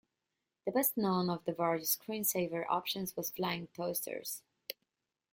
The best-known of the various screensaver options was Flying Toasters.